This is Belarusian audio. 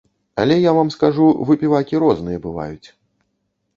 Але я вам скажу, выпівакі розныя бываюць.